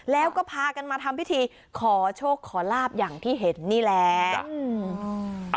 แล้วก็พากันมาทำพิธีขอโชคขอลาบอย่างที่เห็นนี่แหละ